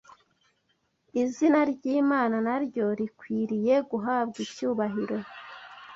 Izina ry’Imana naryo rikwiriye guhabwa icyubahiro